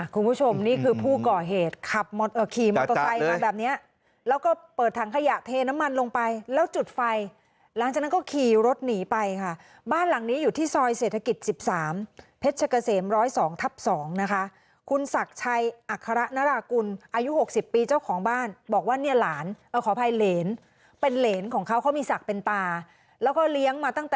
คุณผู้ชมนี่คือผู้ก่อเหตุขับขี่มอเตอร์ไซค์มาแบบเนี้ยแล้วก็เปิดถังขยะเทน้ำมันลงไปแล้วจุดไฟหลังจากนั้นก็ขี่รถหนีไปค่ะบ้านหลังนี้อยู่ที่ซอยเศรษฐกิจ๑๓เพชรเกษม๑๐๒ทับ๒นะคะคุณศักดิ์ชัยอัคระนรากุลอายุ๖๐ปีเจ้าของบ้านบอกว่าเนี่ยหลานขออภัยเหรนเป็นเหรนของเขาเขามีศักดิ์เป็นตาแล้วก็เลี้ยงมาตั้งแต่